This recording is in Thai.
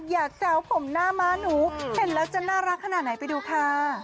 แซวผมหน้าม้าหนูเห็นแล้วจะน่ารักขนาดไหนไปดูค่ะ